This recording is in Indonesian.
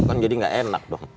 kan jadi gak enak dong